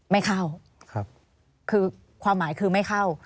ไม่เข้าคือความหมายคือไม่เข้า